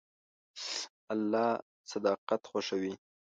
الله صداقت خوښوي.